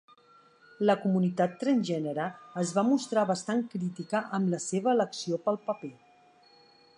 La comunitat transgènere es va mostrar bastant crítica amb la seva elecció pel paper.